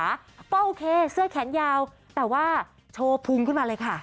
ก็โอเคเสื้อแขนยาวแต่ว่าโชว์พุงขึ้นมาเลยค่ะ